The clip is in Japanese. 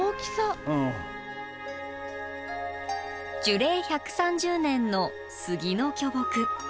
樹齢１３０年の杉の巨木。